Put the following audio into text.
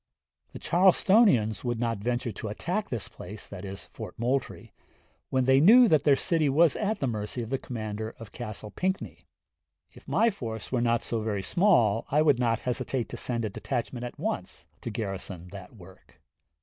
The Charlestonians would not venture to attack this place [Moultrie] when they knew that their city was at the mercy of the commander of Castle Pinckney.... If my force was not so very small I would not hesitate to send a detachment at once to garrison that work."